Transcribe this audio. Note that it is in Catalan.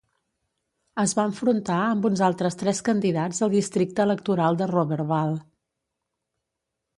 Es va enfrontar amb uns altres tres candidats al districte electoral de Roberval.